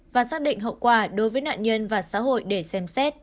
và xác định hậu quả đối với nạn nhân và xã hội để xem xét